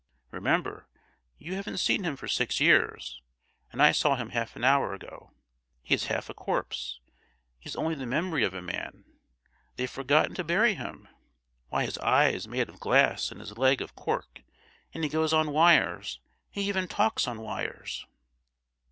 Remember, you haven't seen him for six years, and I saw him half an hour ago. He is half a corpse; he's only the memory of a man; they've forgotten to bury him! Why, his eye is made of glass, and his leg of cork, and he goes on wires; he even talks on wires!"